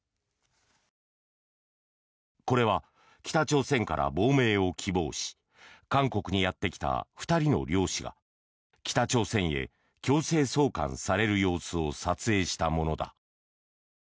これは北朝鮮から亡命を希望し韓国にやってきた２人の漁師が北朝鮮へ強制送還される様子を撮影したものだ。